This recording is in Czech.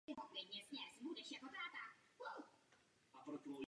Systém má také reagovat na nejrůznější závady.